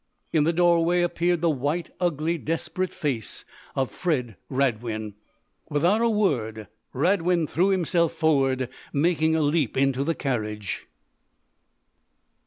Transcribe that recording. In the doorway appeared the white, ugly, desperate face of Fred Radwin! Without a word, Radwin threw himself forward, making a leap into the carriage.